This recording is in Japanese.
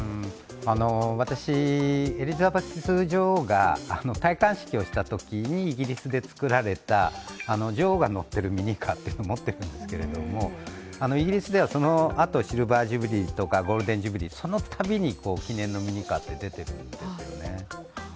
私、エリザベス女王が戴冠式をしたときにイギリスで作られた女王が乗っているミニカーを持っているんですけど、イギリスではそのあとシルバー・ジュビリーとかゴールデン・ジュビリー、そのたびに記念のミニカーって出てるんですね。